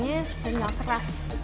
dan enggak keras